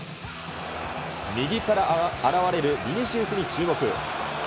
右から現れるビニシウスに注目。